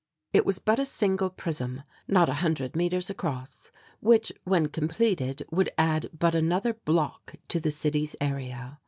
It was but a single prism, not a hundred metres across, which when completed would add but another block to the city's area.